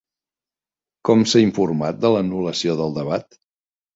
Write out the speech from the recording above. Com s'ha informat de l'anul·lació del debat?